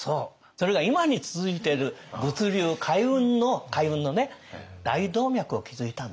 それが今に続いてる物流海運の大動脈を築いたんです。